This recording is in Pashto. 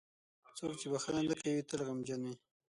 • څوک چې بښنه نه کوي، تل غمجن وي.